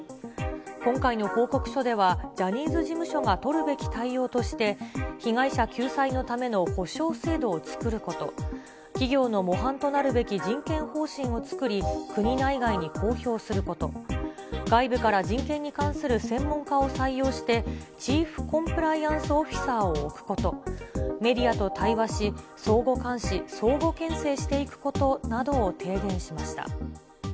今回の報告書では、ジャニーズ事務所が取るべき対応として、被害者救済のための補償制度を作ること、企業の模範となるべき人権方針を作り、国内外に公表すること、外部から人権に関する専門家を採用して、チーフコンプライアンスオフィサーを置くこと、メディアと対話し、相互監視、相互けん制していくことなどを提言しました。